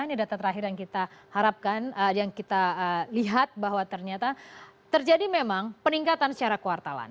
ini data terakhir yang kita harapkan yang kita lihat bahwa ternyata terjadi memang peningkatan secara kuartalan